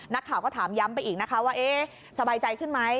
นักข่าวก็ถามย้ำไปอีกนะคะว่าเอ๊ะสบายใจขึ้นไหม